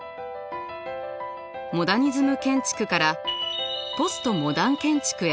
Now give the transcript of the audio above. モダニズム建築からポストモダン建築へ。